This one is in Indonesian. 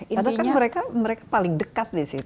itu kan mereka paling dekat nih sih